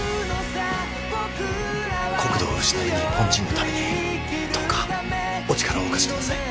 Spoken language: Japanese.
国土を失う日本人のためにどうかお力をお貸しください